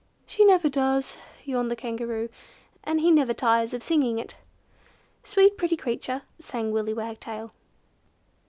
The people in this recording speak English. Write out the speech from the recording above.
"She never does," yawned the Kangaroo, "and he never tires of singing it." "Sweet pretty creature," sang Willy Wagtail.